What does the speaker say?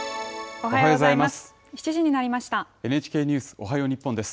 おはようございます。